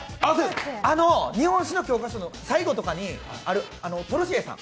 日本史の教科書の最後とかにあるトルシエさん。